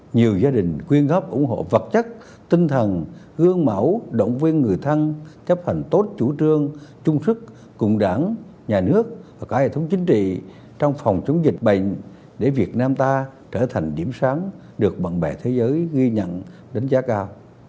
nhiều gia đình quyên góp ủng hộ vật chất tinh thần gương mẫu động viên người thân chấp hành tốt chủ trương chung sức cùng đảng nhà nước và cả hệ thống chính trị trong phòng chống dịch bệnh để việt nam ta trở thành điểm sáng được bạn bè thế giới ghi nhận đánh giá cao